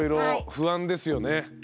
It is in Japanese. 不安ですね。